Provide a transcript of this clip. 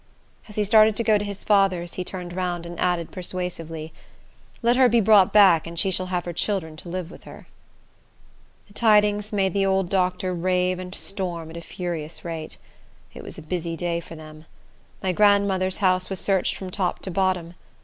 As he started to go to his father's, he turned round and added, persuasively, "Let her be brought back, and she shall have her children to live with her." The tidings made the old doctor rave and storm at a furious rate. It was a busy day for them. My grandmother's house was searched from top to bottom.